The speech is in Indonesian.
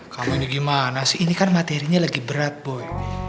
kalau ini gimana sih ini kan materinya lagi berat bu